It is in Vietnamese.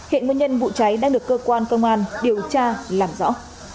hiện nguyên nhân vụ cháy đang được cơ quan công an điều tra làm rõ